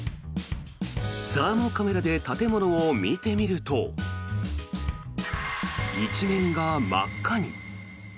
サーモカメラで建物を見てみると一面が真っ赤に。